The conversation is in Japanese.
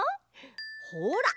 ほら！